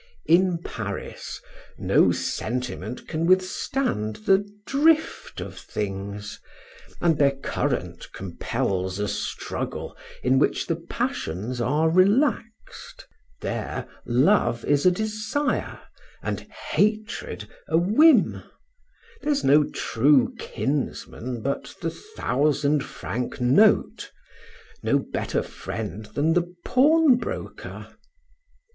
In Paris no sentiment can withstand the drift of things, and their current compels a struggle in which the passions are relaxed: there love is a desire, and hatred a whim; there's no true kinsman but the thousand franc note, no better friend than the pawnbroker.